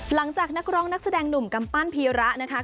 นักร้องนักแสดงหนุ่มกำปั้นพีระนะคะ